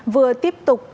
vừa tiếp tục tổ chức